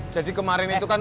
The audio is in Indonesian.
jadi kemarin itu kan